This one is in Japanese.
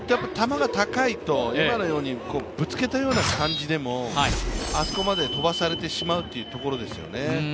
球が高いと今のようにぶつけたような感じでもあそこまで飛ばされてしまうというところですよね。